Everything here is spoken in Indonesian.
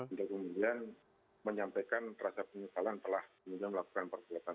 kita kemudian menyampaikan rasa penyesalan telah melakukan pergelapan